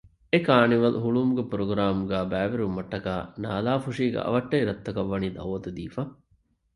އެކާނިވަލް ހުޅުވުމުގެ ޕްރޮގްރާމްގައި ބައިވެރިވުމަށްޓަކާ ނާލާފުށީގެ އަވަށްޓެރި ރަށްތަކަށް ވަނީ ދައުވަތު ދީފަ